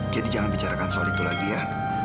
jadi jangan bicarakan soal itu lagi ya